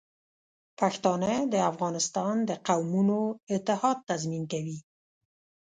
پښتانه د افغانستان د قومونو اتحاد تضمین کوي.